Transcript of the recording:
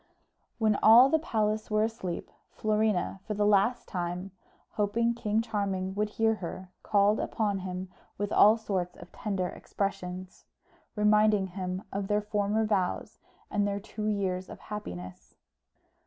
When all the palace were asleep, Florina for the last time, hoping King Charming would hear her, called upon him with all sorts of tender expressions, reminding him of their former vows, and their two years of happiness.